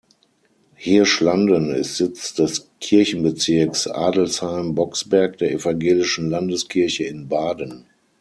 Hirschlanden ist Sitz des Kirchenbezirks Adelsheim-Boxberg der Evangelischen Landeskirche in Baden.